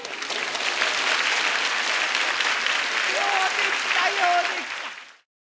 ようできたようできた。